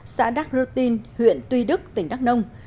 xã đắc rưu tinh huyện tuy đức tỉnh đắc nông